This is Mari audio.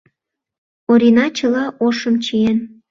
Орина чыла ошым чиен.